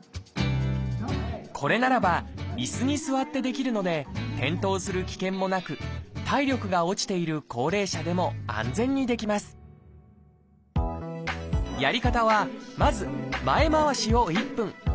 これならば椅子に座ってできるので転倒する危険もなく体力が落ちている高齢者でも安全にできますやり方はまず前回しを１分。